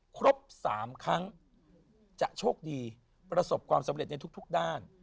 ครบ๓ครั้งจะโชคดีประสบความสำเร็จในทุกด้าน